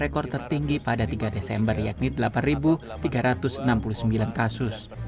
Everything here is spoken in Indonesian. rekor tertinggi pada tiga desember yakni delapan tiga ratus enam puluh sembilan kasus